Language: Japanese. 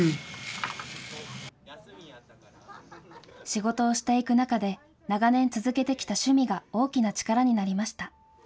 仕事をしていく中で、長年続けてきた趣味が大きな力になりました。